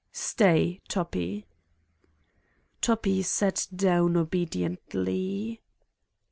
"Stay, Toppi." Toppi sat down obediently.